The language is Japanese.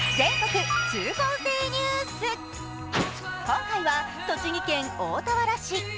今回は栃木県大田原市。